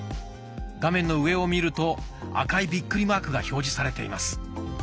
画面の上を見ると赤いビックリマークが表示されています。